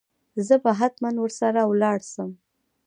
زه به هتمن ور سره ولاړ شم.